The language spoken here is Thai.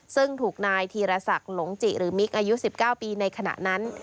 ซึ่งถูกนายธีรศักดิ์หลงจิหรือมิกอายุ๑๙ปีในขณะนั้น